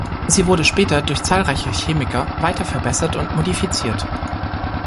Sie wurde später durch zahlreiche Chemiker weiter verbessert und modifiziert.